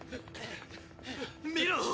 見ろ！